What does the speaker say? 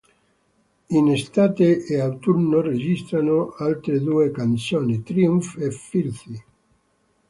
In estate e autunno registrano altre due canzoni, "Triumph" e "Filthy".